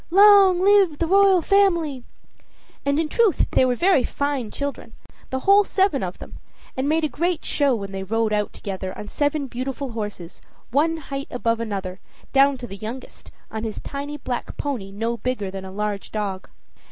"Long live the royal family!" And, in truth, they were very fine children, the whole seven of them, and made a great show when they rode out together on seven beautiful horses, one height above another, down to the youngest, on his tiny black pony, no bigger than a large dog.